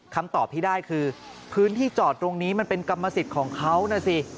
คำตอบที่ได้คือพื้นที่จอดตรงนี้มันเป็นกรรมสิทธิ์ของเขานะสิ